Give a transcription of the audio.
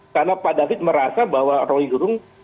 karena pak david merasa bahwa rocky gerung